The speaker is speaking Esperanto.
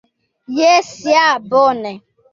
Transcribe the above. Jes, ja bone!